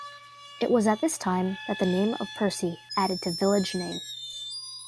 It was at this time that the name of Percy added to village name.